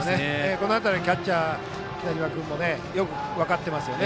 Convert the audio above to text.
この辺りキャッチャーの北島君もよく分かっていますね。